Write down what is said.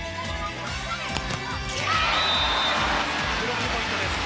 ブロックポイントです。